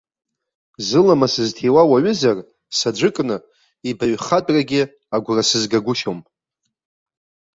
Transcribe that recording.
Зыламыс зҭиуа уаҩызар, саӡәыкны, ибаҩхатәрагьы агәра сызгагәышьом.